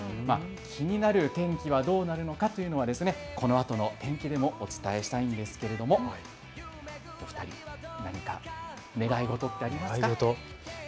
気になる天気はどうなるのかというのをこのあとの天気でもお伝えしたいんですけれどもお二人、何か願い事ありますか。